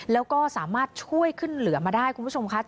แล้วก็สามารถช่วยขึ้นเหลือมาได้คุณผู้ชมค่ะ